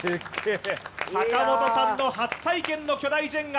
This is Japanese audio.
坂本さんの初体験の巨大ジェンガ。